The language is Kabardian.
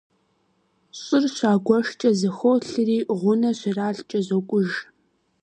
ЩӀыр щагуэшкӀэ зэхуолъри, гъунэ щралъкӀэ зокӀуж.